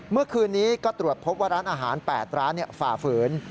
เมื่อคืนนี้ก็ตรวจพบว่าร้านอาหาร๘ร้านฝ่าฝืน